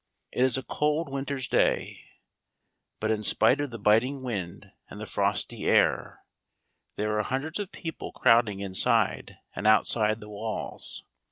It is a cold winter's day; but in spite of the biting wind and the frosty air there are hundreds of people crowding inside and outside the walls.